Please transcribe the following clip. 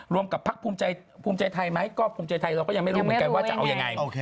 รวมกับพักภูมิใจไทยไหมก็ภูมิใจไทยเราก็ยังไม่รู้ว่าจะเอายังไง